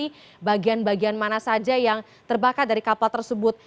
ini bagian bagian mana saja yang terbakar dari kapal tersebut